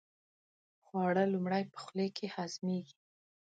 خواړه لومړی په خولې کې هضمېږي.